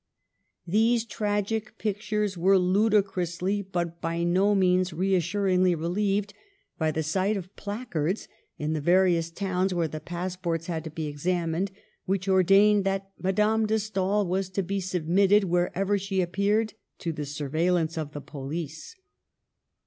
These tragic pictures were ludicrously, but by no means reassuringly relieved by the sight of placards, in the various towns where the pass ports had to be examined, which ordained that Madame de Stael was to be submitted, wherever she appeared, to the surveillance of the police